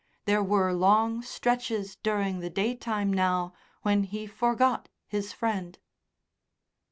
There were long stretches during the day time now when he forgot his friend.